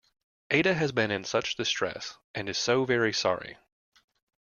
Ada has been in such distress, and is so very sorry.